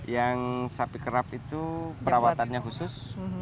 yang sapi kerap itu perawatannya khusus